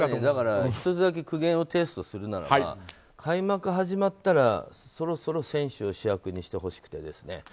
だから、１つだけ苦言を呈すとするならば開幕始まったらそろそろ選手を主役にしてほしくてですね。